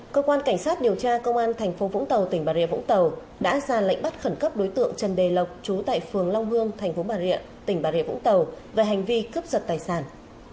cơ quan cảnh sát điều tra công an thành phố vũng tàu tỉnh bà rịa vũng tàu đã ra lệnh bắt khẩn cấp đối tượng trần đề lộc trú tại phường long hương thành phố bà rịa tỉnh bà rịa vũng tàu về hành vi cướp giật tài sản